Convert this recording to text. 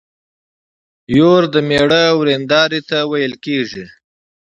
يور د مېړه ويرنداري ته ويل کيږي.